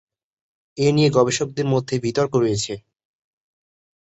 এ নিয়ে গবেষকদের মধ্যে বিতর্ক রয়েছে।